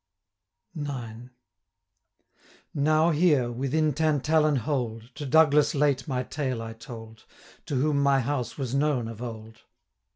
IX. 'Now here, within Tantallon Hold, 265 To Douglas late my tale I told, To whom my house was known of old.